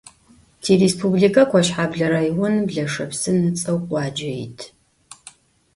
Tirêspublike Koşheble rayonım Blaşepsın ıts'eu khuace yit.